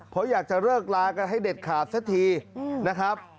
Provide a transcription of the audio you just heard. เพราะอยากจะเลิกลากันให้เด็ดขาดสักทีนะครับ